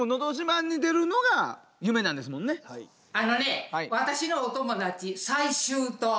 あのね私のお友達済州島